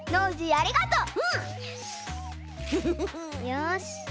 よし！